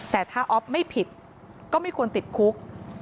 แต่ถ้าอ๊อฟไม่ผิดก็ไม่ควรติดคุก